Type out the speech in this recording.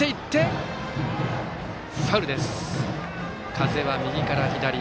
風は右から左。